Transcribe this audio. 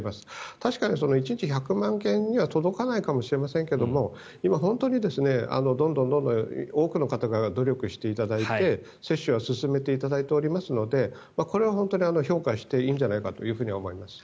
確かに１日１００万件には届かないかもしれませんが今、本当にどんどん多くの方が努力していただいて、接種を進めていただいておりますのでこれは評価していいんじゃないかと思います。